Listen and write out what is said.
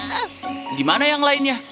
gimana yang lainnya